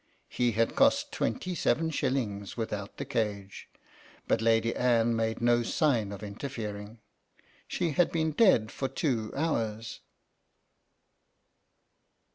He had cost twenty seven shillings without the cage, but Lady Anne made no sign of interfering. She had been dead for two hours.